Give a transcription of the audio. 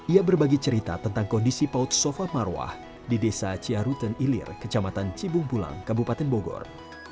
ia berbagi cerita tentang kondisi paut sofa marwah di desa ciarutan ilir kecamatan cibung pulang kabupaten bogor